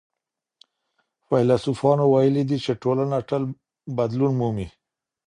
فيلسوفانو ويلي دي چي ټولنه تل بدلون مومي.